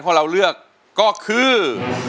ข้อเราเลือกก็คือ